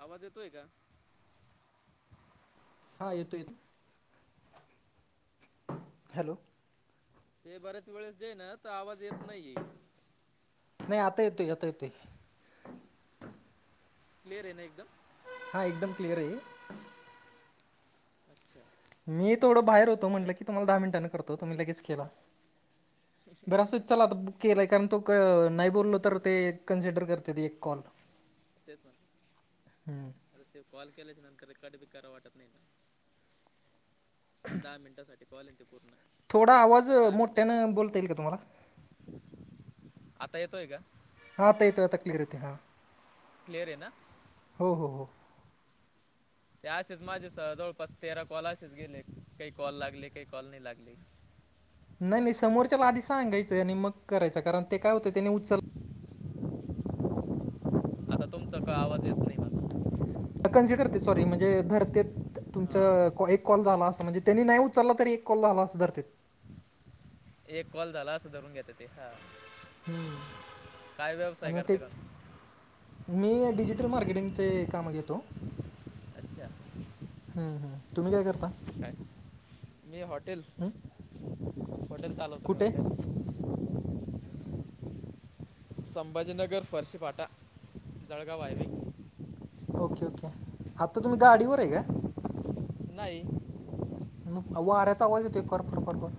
आवाज येतोय का. हा येतोय. हॅलो. ते बर्याच वेळेस जाई ना तर आवाज येत नाहीे. नाही आता येतोय आता येतोय. क्लियर आहे, ना एकदम. हां एकदम क्लिअर आहे. अच्छा मी थोडं बाहेर होतो काय म्हटलं की तुम्हाला दहा मिनिटांं करतो तुम्ही लगेच केला. बरं असुदे चल आता केला कारण तो नाही बोलल तर ते कन्सिडर करते ती एक कॉल. तेच हम्म म्हण ते कॉल केल्याचे नंतर रेकॉर्ड बी कराव वाटत नाही ना. दहा मिनिटांसाठी पावलेन ते पूर्ण. थोडा आवाज दहा मोठ्यानं मिनिटात बोलता येईल का तुम्हाला. आता येतोय का. हा ते यथ आता येतोय, कलीरती हा. क्लिअर आहे ना? हो हो हो. त्याशच माझे जवळपास तेरा कॉलशीच गेले काही कॉल लागले काही कॉल नाही लागले. नाही नाही समोरच्याला आधी सांगायचं आणि मग करायचं कारण ते काय होतं त्यानी उचल आता तुमचा काय आवाज येत नाही मला कन्सिडर करते सॉरी म्हणजे धरतेत. हां तुमचं एक कॉल झाला असं म्हणजे त्यांनी नाही उचललं तरी एक कॉल झाला असं धरते. एक कॉल झाला असं धरून घेते ते हा हम्म काय व्यवसाय आणि मग करते ते का. मी डिजिटल मार्केटिंगचे काम घेतो. अच्छा. हम तुम्ही काय करता. काय मी हॉटेल हं? हॉटेल चालवतो मी कुठे हॉटेल. [inaudible] संभाजीनगर फर्शीफाटा जळगाव हाय मी. ओके ओके, आत्ता तुम्ही गाडीवर आहे का? नाही. मग वाऱ्याचा आवाज येतोय, फर फर फर फार.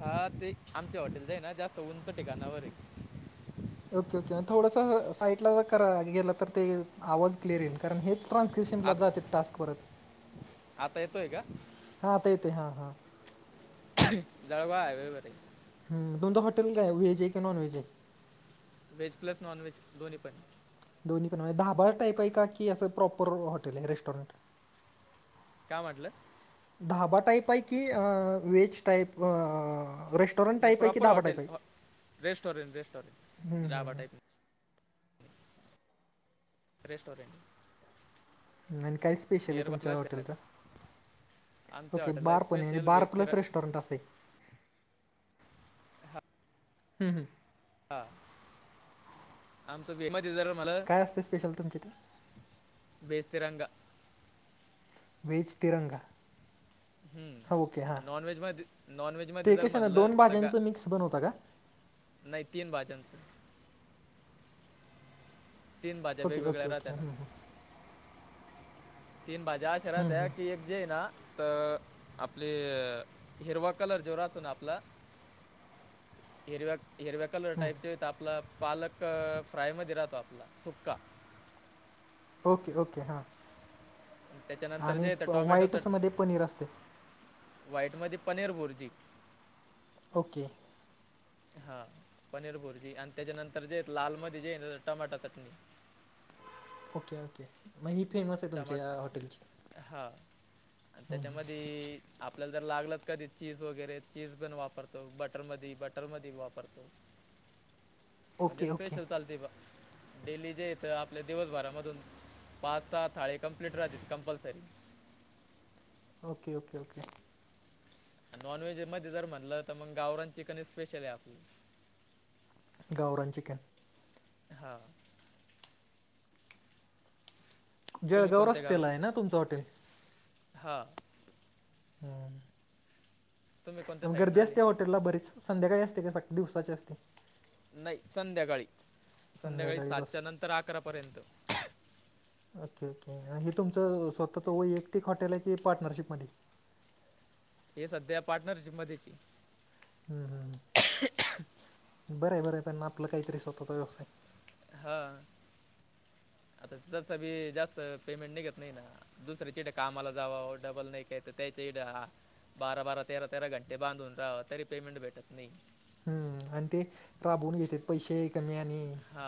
हा ते आमच्या हॉटेलच आहे ना जास्त उंच ठिकाणावर हे. ओके ओके थोडस साईटला जर करा गेलं तर ते आवाज. क्लियर येत, कारण हे च आत ट्रान्सस्क्रीप्शनला जाते टास्क परत. आता येतोय का. हा आता येतोय हा हा. जाळवा हाय व्हाय व्हय रे. ह दोनदा हॉटेल काय वहेज आहे की नॉन व्हेज आहे. वेज प्लस नॉनवेज दोनही पण. दोन्ही पण व्हय दहाबा टाईप आहे का की असं प्रॉपर हॉटेल आहे रेस्टॉरंट. काय म्हटलं. ढाबा टाईप आहे की वेज टाईप रेस नाही प्रॉपर हॉटेल, रेस्टॉरेंट, हं. Restaurant dhaba type restaurant. आणि काय स्पेशल आहे बियर तुमच्या प्लस यायला का हॉटेलचं. आमच्या ओके हॉटेलला बारपणे आणि स्पेशल व्हेज तिरा बारप्लस रेस्टॉरंट असं हे. हा. हम्म हम्म. हा. आमचं बी आहे मधी जरा मला काय असते स्पेशल तुमच्या इथं बेस तिरंगा व्हेज तिरंगा. हां ओके हां हम्म नॉनव्हेजमध्ये नॉनव्हेजमध्ये ते जर कशा ना म्हणलं दोन तर ग भाज्यांचं मिक्स बनवता का नाही तीन भाज्यांचं. तीन भाज्या ओके वेगवेगळ्या ओके ओके राहात्यात. हं, हं, तीन भाज्या अशा हं. राहता की एक जे आहे ना. तर आपली हिरवा कलर जोरातून आपला हिरव्या हिरव्या कलर टाईपचे आपला पालक फ्रायमध्ये राहतो आपला सुक्का. ओके ओके हां त्याच्यानंतर जे आणि आहे तर प व्हाईट टोमॅटोचं असंमध्ये पनीर असते. व्हाईटमध्ये पनीर बुर्जी. ओके हा पनीर भुर्जी आणि त्याच्यानंतर जे लाल मध्ये जे आहे ना ते टमाटा चटणी. ओके ओके मग ही फेमस आहे तुमच्या टमाट या हॉटेलची. हां आणि हम्म हम्म. त्याच्यामध्ये आपल्याला जर लागलं कधी चीज वगैरे चीज पण वापरतो बटर मधे बटर मधे वापरतो. हो. म्हणजे ओके ओके स्पेशल चालते बूवआ. डेली जे इथं आपल्या दिवसभरामधून पाच सात थाळी कंप्लीट राहतेत कंपल्सरी. Okay okay okay. आणि नॉनव्हेजमध्ये जर म्हटलं, तर मग गावरान चिकन हे स्पेशल आहे आपलं. गावरन चिकन. हो. तुम्ही जळगाव रस्त्याला आहे ना तुमचं हॉटेल? हा. तुम्ही कोणत्या हम्म साईडनं गर्दी आले असत्या हॉटेलला बरीच? संध्याकाळी असते का स दिवसाची असते? नाही संध्याकाळी संध्याकाळी संध्याकाळीच सातच्या असते नंतर अकरापर्यंत ओके ओके. हे तुमचं स्वतःच वैयक्तिक हॉटेल आहे की पार्टनरशिपमधी? हे सध्या पार्टनरशिप मध्येच आहे. हम्म हम्म. बरं आहे बरं आहे, पण आपलं काहीतरी स्वतःचा व्यवसाय. हा आता त्याचा बी जास्त पेमेंट निघत नाही ना. दुसऱ्याच्या इकडे कामाला जावावं डबल नाही काय तर त्याचेही द्या. बारा बारा तेरा तेरा घंटे बांधून रहाव तरी पेमेंट भेटत नाही. हम्म आणि ते राबवून घेतेत. पैसे कमी आणि हा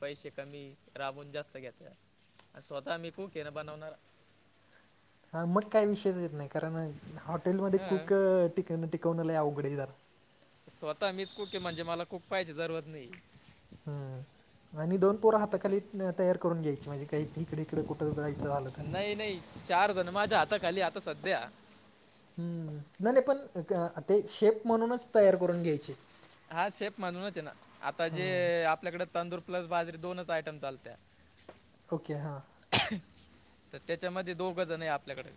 पैसे कमी, राबवून जास्त घेत्यात. आणि स्वतः मी कूक आहे ना बनवणारा. हा मग काही विषयच येत नाही, कारण हॉटेलमध्ये हां कूक टिक टिकवण लय अवघड आहे जरा स्वतः मीच कुक आहे म्हणजे मला कुक पाहायची जरुरत नाही. हम्म. आणि दोन पोरा त्याच्या हाताखाली तयार करून घ्यायची म्हणजे काही इकडे इकडे कुठं जायचं झालं तर. नाही नाही चार जण माझ्या हाताखाली आता सध्या हम्म. नाही नाही पण अ आता ते शेप म्हणूनच तयार करून घ्यायचे. हा शेप म्हणूनच आहे ना. आता जे हां आपल्याकडे तंदूर प्लस बाजरी दोनच आयटम चालत्यात. ओके हां. तर त्याच्यामध्ये दोघजण आहे आपल्याकडे.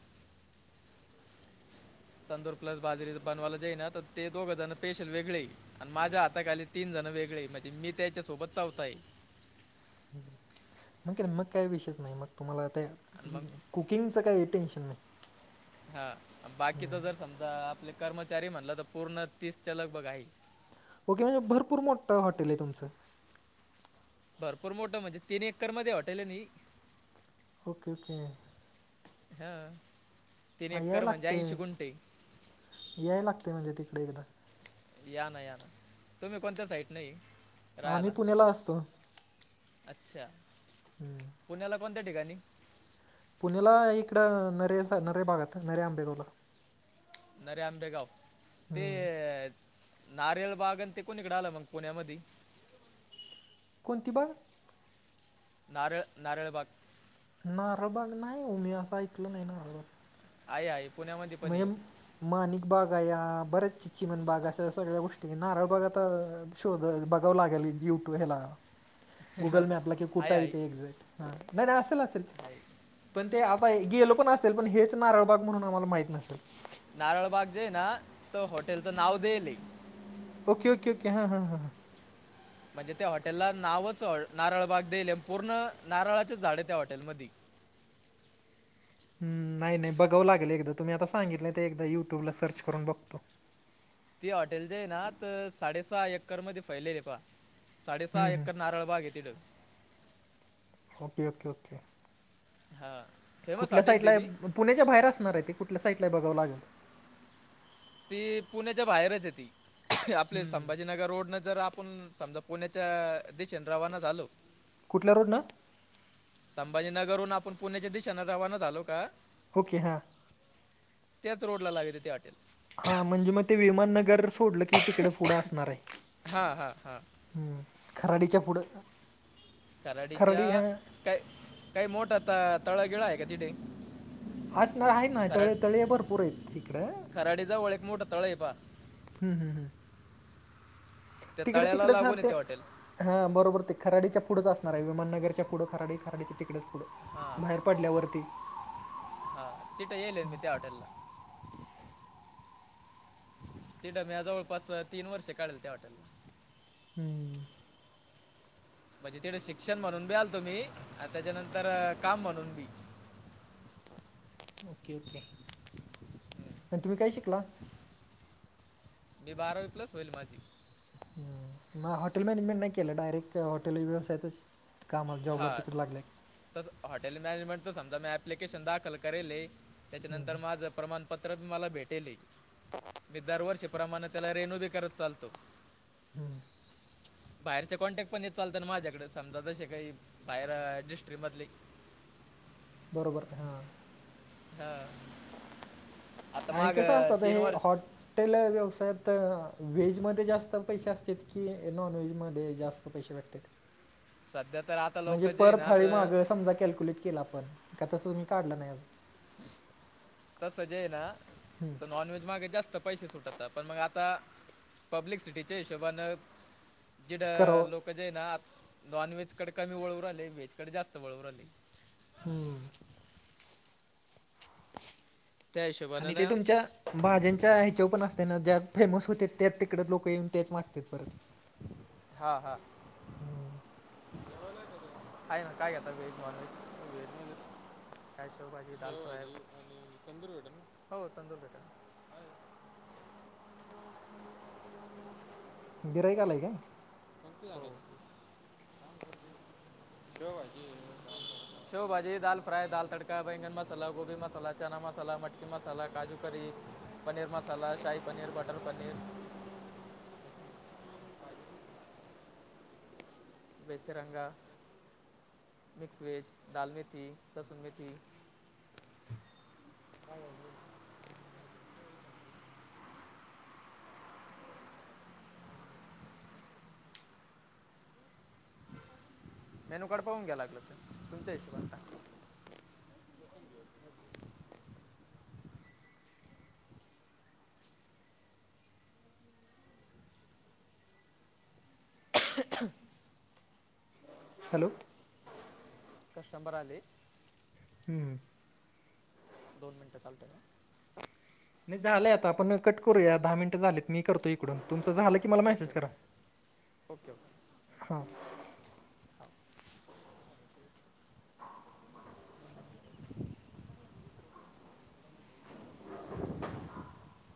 तंदुरी प्लस बाजरी बनवायला जे आहे ना ते दोघं जण स्पेशल वेगळे आणि माझ्या हाताखाली तीनजण वेगळे म्हणजे मी त्याच्यासोबत चवथा आहे. मग का मग काही, विषयच नाही मग तुम्हाला आता. आणि मग कुकिंगचं काही, टेन्शन नाही. हा बाकीचा जर समजा आपले कर्मचारी म्हणलं, तर पूर्ण तीसच्या लगभग आहे. ओके म्हणजे भरपूर मोठं हॉटेल आहे तुमचं. भरपूर मोठं म्हणजे, तीन एकरमध्येध्ये हॉटेल आहे नाही. Okay okay. हं. तीन हां एकर म्हणजे ऐंशी गुंटे. यायला लागतंय म्हणजे, तिकड एकदा. या ना, या ना तुम्ही कोणत्या साईट नये. आम्ही पुण्याला असतो. अच्छा! पुण्याला कोणत्या ठिकाणी? पुण्याला इकडं नरे, नरे भागात नरे आंबेगावला. नरे आंबेगाव ते. हम्म. नारलबाग आणि ते, कोणी इकड आलं मग पुण्यामध्यी. कोणती बाग. नारळ नारळबाग. नारळबाग नाही ओ, मी असं ऐकलं नाही नारळबाग. आहे आहे पुण्यामध्ये पण ये. म्हणजे माणिक बाग आहे या. बर्याचशा चिमनबाग अशा, सगळ्या गोष्टी नारळबाग आता. शोध बघाव लागेल, युट्यूब हेला. गुगल मॅपला कि आहे कुठं आहे येते, एक्झॅक्ट नाही नाही असेल असेल. [unintelligible] पण ते आता गेल पण असेल पण, हेच नारळबाग म्हणून आम्हाला माहित नसल. नारळबाग जे ना तो‌ हाॅटेलच नाव देयली. ओके ओके ओे, हा हा हां. म्हणजे त्या हॉटेला नावच नारळबाग देईल, पूर्ण नारळाचेच झाड आहे त्या हॉटेलमध्ये. हम्. नाही नाही बघावं लागेल एकदा, तुम्ही आता सांगितलंय ते एकदा युट्यूबला सर्च करून बघतो. ती हॉटेल जे आहे ना तर, साडेसहा एकर मध्ये फैले आहे पहा. साडेसहा हम्म, एकर हम्म. नारळ बाग, आहे तिथं. Okay okay okay. हा. कुठल्या साईडला पुण्याच्या बाहेर असणार आहे, ते कुठल्या साईड ला बघावं लागेल. ती पुण्याच्या बाहेरच येती आपले संभाजीनगर रोड न जर आप आपण समजा, पुण्याच्या दिशेन रवाना झालो. कुठल्या रोडन. संभाजीनगरहून आपण, पुण्याच्या दिशेने रवाना झालो का. ओके हां. त्याचं रोडला लागते ते हॉटेल. हा म्हणजे मग ते विमाननगर सोडलं की, तिकड पुढं असणार आहे. हां हां हां हम्म. खराडीच्या पुढं, खराडी ह कराडीच्या काय काही मोठा, तळागिळा आहे का तिथे. हसं न हायन‌ ना, तळ तळे भरपूर आहेत हिकडं. खराडी जवळ एक, मोठं तळ आहे पहा. हम हम हम. त्या तिकडें तळ्याला तिकडंच हा लागून आहे ते. हॉटेल हा बरोबर ते खराडीच्या पुढंच असणार आहे, विमानगरच्या पुढं खराडी खराडीच्या तिकडंच. हा हा. तिट गेलं मी त्या हॉटेल ला. [unintelligible] जवळपास तीन वर्ष काढल त्या हॉटेला. हम्म. म्हणजे तिकडे शिक्षण म्हणून बी आलतो मी, आणि त्याच्यानंतर काम म्हणून बी. Okay okay. हम्म. पण तुम्ही काय शिकला. हे बारावी प्लस होईल माझी. हम. हॉटेल मॅनेजमेंट नाही केलं, डायरेक्ट हॉटेल व्यवसायतच. कामाला जॉबला तिकडे लागलाय. त हॉटेल मॅनेजमेंटच समजा मी, अप्लिकेशन दाखल करेल त्याच्यानंतर माझं प्रमाण. पत्र मला भेटेल मी दरवर्षीप्रमाणे त्याला रेणूदी करत चालतो. हम्म. बाहेरचे कॉन्टॅक्ट पण येत चालत ना माझ्याकडे समजा जसे काही बाहेर डिस्ट्री मधली. बरोबर हां. हा आता आणि मग कसं असतं आता तीन हे वर्ष हॉटेल व्यवसायात व्हेजमध्ये जास्त, पैसे असत की नॉन व्हेज मध्ये जास्त पैसे भेटतात. सध्या तर आ म्हणजे पर थाळी मागं समजा कॅल्क्युलेट केला आपण का तसं तुम्ही काढलं नाही. तसं जे आहे ना तर नॉनव्हेज मागे जास्त पैसे सुटात पण मग आता पब्लिक सिटीच्या हिशोबान. जिड करावं लोक जे ना नॉन व्हेज कडे कमी वळू राहिले व्हेज कड जास्त वळू राहिले. हम्म. त्या हिशोबानं आणि ते ना तुमच्या. भाज्यांच्या ह्याच्यावर पण असते ना ज्या फेमस होते त्या तिकड लोक येऊन तेच मागतेात परत. हा हा. हम्म. [inaudible] खायला काय घेता आता व्हेज नॉनव्हेज. का शेवभजी चालू आहे आणि तंदूर पठण हो तंदूरपेठ. गिराईक आलाय काय? कोणती हवं आहे शेव भाजी. शेवभाजी दाल फ्राय दाल तडका बेंगन मसाला गोबी मसाला चना मसाला मटक मसाला काजू करी पनीर मसाला शाही पनीर बटर पनीर. वेजतीरंग मिक्स वेज डाळमथी लसुन मीथी. मेनू कार्ड पाहून गेला का तुमच्या हिशोबानी सांगायचं. [inaudible] हॅलो. कस्टबर आलंय. हम्म. दोन मिनिटं चालतय का. नाही झालंय आता आपण कट करूया दहा मिनिटं झालेत मी करतो इकडून तुमचं झालं की मला ओके मैसेज करा. ओके ओके ओे हां [inaudible] [inaudible]